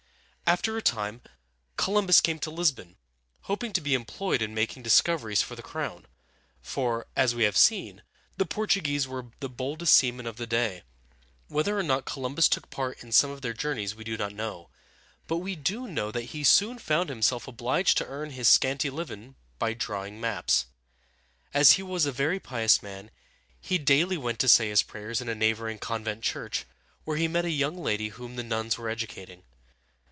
After a time Columbus came to Lis´bon, hoping to be employed in making discoveries for the crown; for, as we have seen, the Portuguese were the boldest seamen of the day. Whether or not Columbus took part in some of their journeys we do not now know; but we do know that he soon found himself obliged to earn his scanty living by drawing maps. As he was a very pious man, he daily went to say his prayers in a neighboring convent church, where he met a young lady whom the nuns were educating.